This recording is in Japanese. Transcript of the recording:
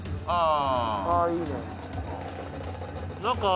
ああ。